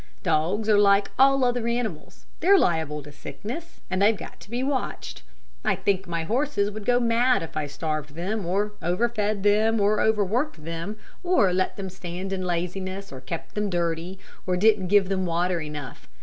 Dogs are like all other animals. They're liable to sickness, and they've got to be watched. I think my horses would go mad if I starved them, or over fed them, or over worked them, or let them stand in laziness, or kept them dirty, or didn't give them water enough.